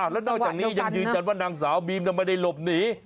แล้วนอกจากนี้ยังยืนยันว่านางสาวบีมไม่ได้หลบหนี